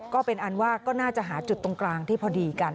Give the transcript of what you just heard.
ก็เป็นอันว่าก็น่าจะหาจุดตรงกลางที่พอดีกัน